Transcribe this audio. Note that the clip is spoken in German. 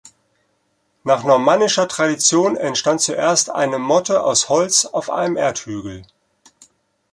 Nach normannischer Tradition entstand zuerst eine Motte aus Holz auf einem Erdhügel.